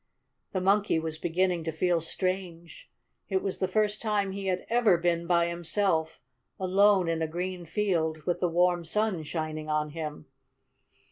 The Monkey was beginning to feel strange. It was the first time he had ever been by himself, alone in a green field, with the warm sun shining on him.